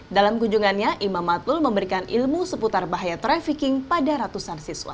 dalam kunjungannya imam matul memberikan ilmu seputar bahaya trafficking pada ratusan siswa